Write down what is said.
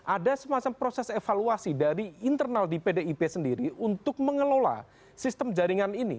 ada semacam proses evaluasi dari internal di pdip sendiri untuk mengelola sistem jaringan ini